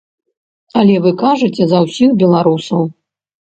Але вы кажаце за ўсіх беларусаў.